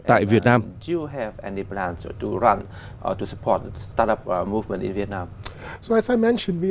tại việt nam